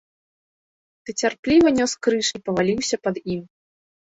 Ты цярпліва нёс крыж і паваліўся пад ім.